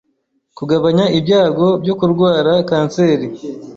Kugabanya ibyago byo kurwara kanseri.